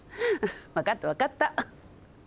わかったわかった。